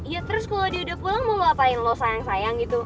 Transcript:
ya terus kalo dia udah pulang mau lo apain lo sayang sayang gitu